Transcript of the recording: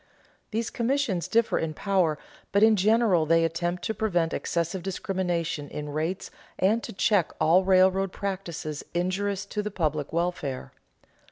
These commissions differ in power, but in general they attempt to prevent excessive discrimination in rates and to check all railroad practices injurious to the public welfare.